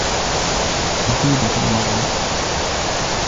أُصيب في المعركة.